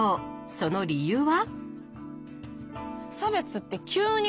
その理由は？